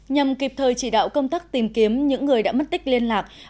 nhằm kịp thời chỉ đạo công tác tìm kiếm những người đã mất tích liên lạc